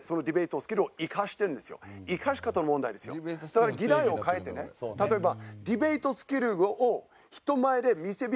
だから議題を変えてね例えば。